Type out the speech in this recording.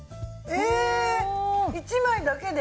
え１枚だけで！？